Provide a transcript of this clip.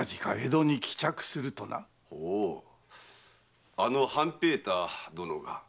ほうあの半平太殿が。